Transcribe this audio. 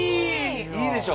いいでしょ？